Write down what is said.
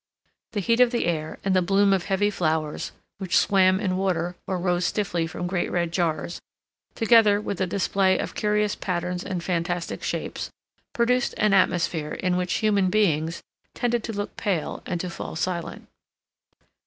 The heat of the air, and the bloom of heavy flowers, which swam in water or rose stiffly from great red jars, together with the display of curious patterns and fantastic shapes, produced an atmosphere in which human beings tended to look pale and to fall silent.